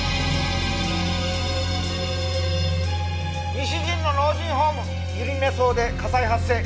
西陣の老人ホーム百合根荘で火災発生。